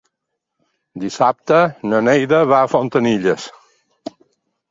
Dissabte na Neida va a Fontanilles.